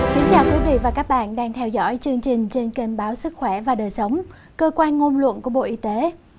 chào các bạn đang theo dõi chương trình trên kênh báo sức khỏe và đời sống cơ quan ngôn luận của bộ y tế